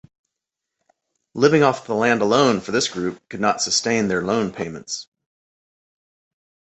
Living off the land alone for this group could not sustain their loan payments.